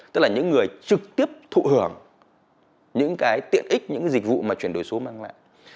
tức là những người trực tiếp thụ hưởng những cái tiện ích những cái dịch vụ mà chuyển đổi số mang lại